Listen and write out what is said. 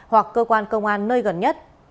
hoặc cơ quan công an nơi gần nhất